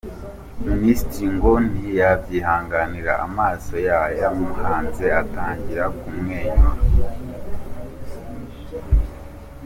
Minisitiri ngo ntiyabyihanganiye amaso yayamuhanze atangira kumwenyura.